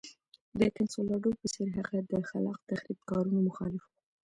د کنسولاډو په څېر هغه د خلاق تخریب کارونو مخالف و.